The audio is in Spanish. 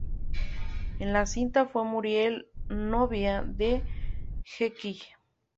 En la cinta fue Muriel, novia de Jekyll.